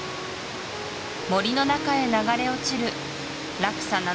森の中へ流れ落ちる落差